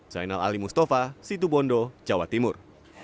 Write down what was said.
zainal ali mustafa situbondo jawa timur